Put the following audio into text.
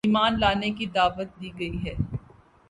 ایمان لانے کی دعوت دی گئی ہے